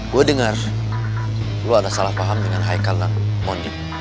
gua denger lu ada salah paham dengan haikal dan mondi